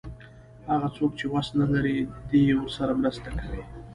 هغه څوک چې وس نه لري دی ورسره مرسته کوي.